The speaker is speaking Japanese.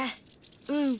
うん。